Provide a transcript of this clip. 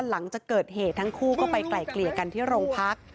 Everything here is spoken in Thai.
หลังจากเกิดเหตุทั้งคู่ก็ไปไกล่เกลี่ยกันที่โรงพัก